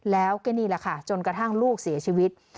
แล้วก็นี่แหละค่ะจนกระทั่งลูกเสียชีวิต